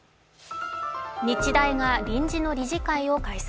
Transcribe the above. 日大が臨時の理事会を開催。